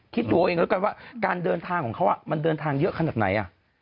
คิดดูเอาเองแล้วกันว่าการเดินทางของเขามันเดินทางเยอะขนาดไหน